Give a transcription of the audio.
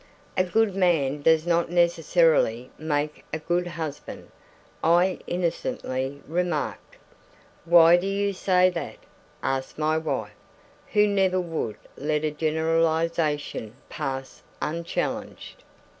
"A good man does not necessarily make a good husband," I innocently remarked. "Why do you say that?" asked my wife, who never would let a generalization pass unchallenged.